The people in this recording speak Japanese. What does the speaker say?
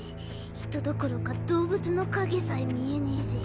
人どころか動物の影さえ見えねぇぜ。